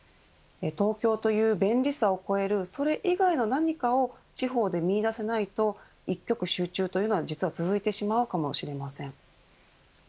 東京という便利さを超えるそれ以外の何かを地方で見いだせないと一極集中というのは、実は続いてしまうのかもしれません。